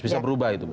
bisa berubah itu